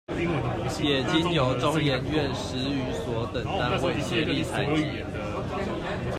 也經由中研院史語所等單位協力採集